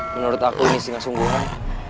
menurut aku ini singkat sungguhan